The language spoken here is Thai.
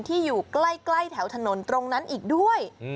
ที่อยู่ใกล้แถวถนนตรงนั้นอีกด้วย